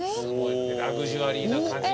ラグジュアリーな感じ。